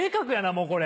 もうこれ。